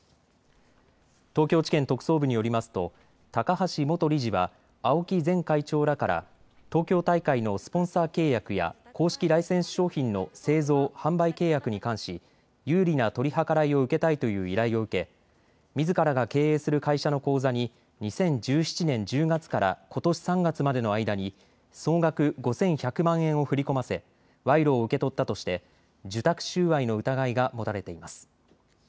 東京地検特捜部によりますと高橋元理事は青木前会長らから東京大会のスポンサー契約や公式ライセンス商品の製造・販売契約に関し有利な取り計らいを受けたいという依頼を受けみずからが経営する会社の口座に２０１７年１０月からことし３月までの間に総額５１００万円を振り込ませ賄賂を受け取ったとして受託収賄の疑いが持たれています。